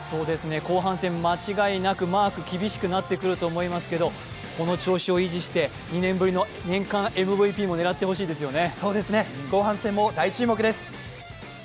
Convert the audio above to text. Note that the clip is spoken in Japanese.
後半戦、間違いなくマークが厳しくなってくると思いますけど、この調子を維持して２年ぶりの年間ＭＶＰも狙ってほしいですね。